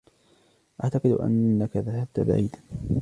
أعتقد أنك ذهبت بعيدا.